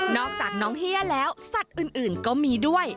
อกจากน้องเฮียแล้วสัตว์อื่นก็มีด้วย